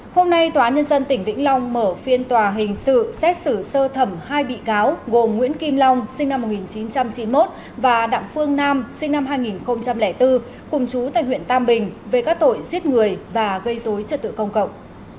hôm nay tòa nhân dân tỉnh vĩnh long mở phiên tòa hình sự xét xử sơ thẩm hai bị cáo gồm nguyễn kim long sinh năm một nghìn chín trăm chín mươi một và đặng phương nam sinh năm hai nghìn bốn cùng chú tại huyện tam bình về các tội giết người và gây dối trật tự công cộng